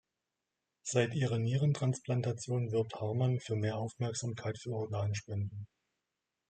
Seit ihrer Nierentransplantation wirbt Harman für mehr Aufmerksamkeit für Organspenden.